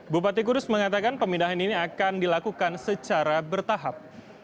bupati kudus mengatakan pemindahan ini akan dilakukan secara bertahap